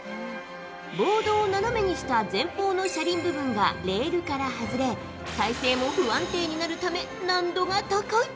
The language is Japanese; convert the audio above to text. ボードを斜めにした前方の車輪部分がレールから外れ体勢も不安定になるため難度が高い。